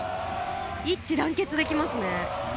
一致団結できますね。